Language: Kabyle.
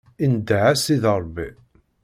Indeh a Sidi Ṛebbi.